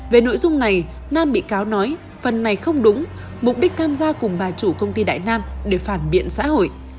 về nội dung này nam bị cáo nói phần này không đúng mục đích tham gia cùng bà chủ công ty đại nam để phản biện xã hội